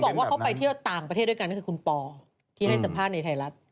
บอกว่าเขาไปเที่ยวต่างประเทศด้วยกันก็คือคุณปอที่ให้สัมภาษณ์ในไทยรัฐ